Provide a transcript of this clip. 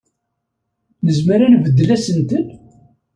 Nezmer ad nbeddel asentel?